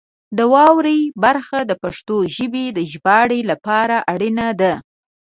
د واورئ برخه د پښتو ژبې د ژباړې لپاره اړینه ده.